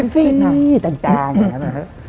สิ้นต่างอย่างนั้น